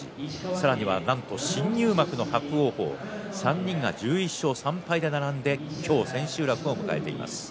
さらになんと新入幕の伯桜鵬、３人が１１勝３敗で並んで今日千秋楽を迎えています。